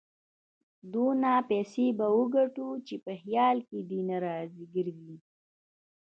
دونه پيسې به وګټو چې په خيال کې دې نه ګرځي.